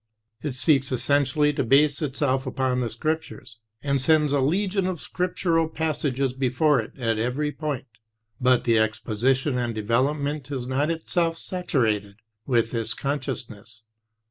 It seeks essentially to base itself upon the Scriptures, and sends a legion of scriptural passages before it at every point; but the exposition and develop ment is not itself saturated with this consciousness.